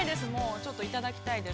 ちょっといただきたいです。